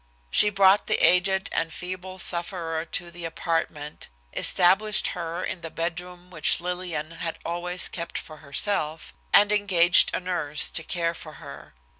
She brought the aged and feeble sufferer to the apartment, established her in the bedroom which Lillian had always kept for herself, and engaged a nurse to care for her.